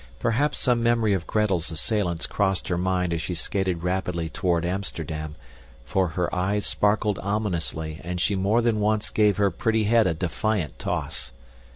Perhaps some memory of Gretel's assailants crossed her mind as she skated rapidly toward Amsterdam, for her eyes sparkled ominously and she more than once gave her pretty head a defiant toss.